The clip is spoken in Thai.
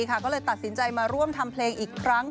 ก็เลยตัดสินใจมาร่วมทำเพลงอีกครั้ง